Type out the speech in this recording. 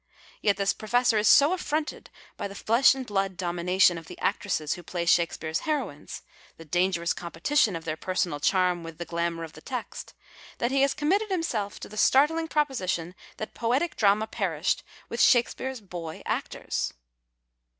Yet this professor is so affronted by the flesh and blood domination of the actresses who play Shakespeare's heroines, the dan gerous competition of their personal charm with the glamour of the text, that he has committed himself to the startling proposition that poetic drama perished with Shakespeare's boy actors